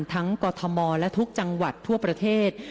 กรทมและทุกจังหวัดทั่วประเทศ